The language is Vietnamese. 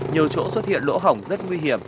nhiều chỗ xuất hiện lỗ hỏng rất nguy hiểm